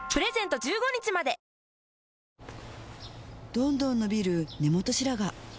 どんどん伸びる根元白髪